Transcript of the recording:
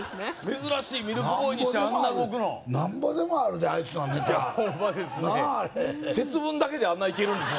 珍しいミルクボーイにしちゃあんな動くのなんぼでもあるであいつらのネタホンマですね